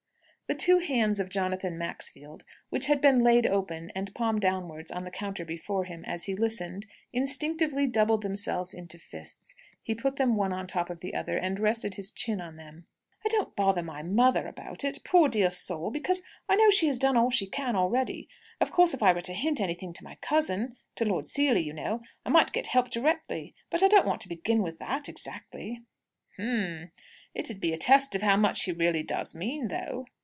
The two hands of Jonathan Maxfield, which had been laid open, and palm downwards, on the counter before him, as he listened, instinctively doubled themselves into fists. He put them one on the top of the other, and rested his chin on them. "I don't bother my mother about it, poor dear soul, because I know she has done all she can already. Of course, if I were to hint anything to my cousin to Lord Seely, you know I might get helped directly. But I don't want to begin with that, exactly." "H'm! It 'ud be a test of how much he really does mean, though!"